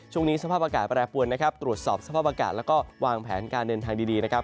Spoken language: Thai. ช่วงนี้สภาพอากาศแปรปวนนะครับตรวจสอบสภาพอากาศแล้วก็วางแผนการเดินทางดีนะครับ